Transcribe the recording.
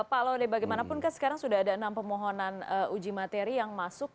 pak laude bagaimanapun kan sekarang sudah ada enam pemohonan uji materi yang masuk